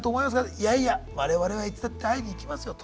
いやいや我々はいつだって会いに行きますよと。